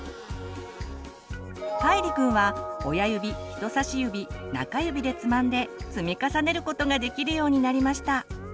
かいりくんは親指人さし指中指でつまんで積み重ねることができるようになりました。